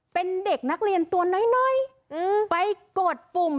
เป็นเด็กนักเรียนตัวน้อยไปกดปุ่ม